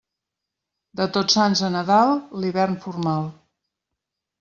De Tots Sants a Nadal, l'hivern formal.